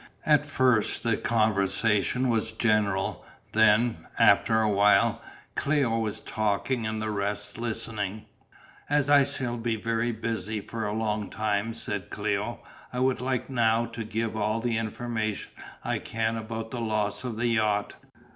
At first the conversation was general, then, after a while, Cléo was talking and the rest listening. "As I shall be very busy for a long time," said Cléo, "I would like now to give all the information I can about the loss of the yacht.